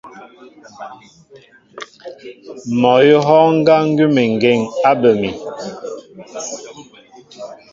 Mɔ awʉ̌ a hɔ́ɔ́ŋ ŋgá ŋgʉ́əŋgeŋ á bə mi.